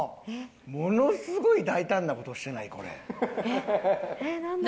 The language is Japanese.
ものすごい大胆なことしてない？